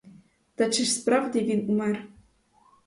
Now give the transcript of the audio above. Та чи ж справді він умер?